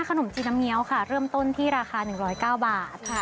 ขนมจีนน้ำเงี้ยวค่ะเริ่มต้นที่ราคา๑๐๙บาท